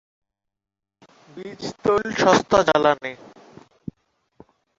বীজ-তৈল সস্তা জ্বালানি।